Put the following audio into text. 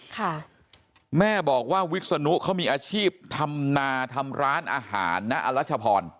ค่ะแม่บอกว่าวิศนุเขามีอาชีพทำนาทำร้านอาหารนะอรัชพร